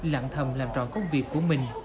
lặng thầm làm trọn công việc của mình